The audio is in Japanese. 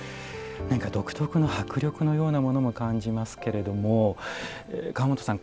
何か独特な迫力のようなものも感じますけれども川本さん